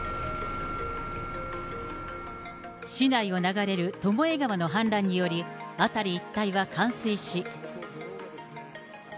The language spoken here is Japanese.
市内を流れる巴川の氾濫により、辺り一帯は冠水し。